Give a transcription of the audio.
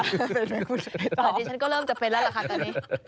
ตอนนี้ฉันก็เริ่มจะเป็นแล้วล่ะค่ะตอนนี้